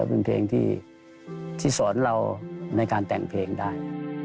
เป็นเพลงที่สอนเราในการแต่งเพลงได้